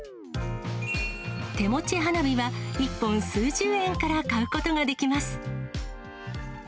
手持ち花火は１本数十円から買うことができます。